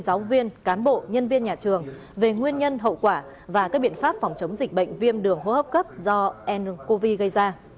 giáo viên cán bộ nhân viên nhà trường về nguyên nhân hậu quả và các biện pháp phòng chống dịch bệnh viêm đường hô hấp cấp do ncov gây ra